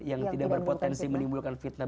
yang tidak berpotensi menimbulkan fitnah